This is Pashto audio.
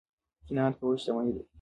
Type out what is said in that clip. قناعت کول شتمني ده